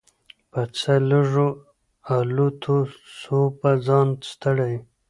په څه لږو الوتو سو په ځان ستړی